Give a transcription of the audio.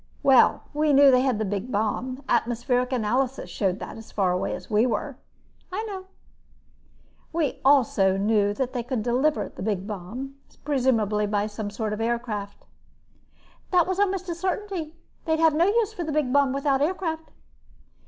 "Well, we knew they had the big bomb. Atmospheric analysis showed that as far away as we were." "I know." "We also knew they could deliver the big bomb, presumably by some sort of aircraft." "That was almost a certainty. They'd have no use for the big bomb without aircraft."